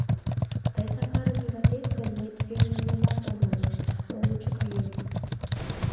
— Тый Сакарым йӧратет гын, мый тугеже нимомат ом ойло, мый лучо каем...